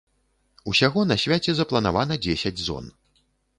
Усяго на свяце запланавана дзесяць зон.